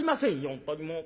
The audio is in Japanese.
本当にもう。